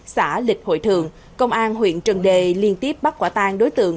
xã lịch hội thượng công an huyện trần đề liên tiếp bắt quả tang đối tượng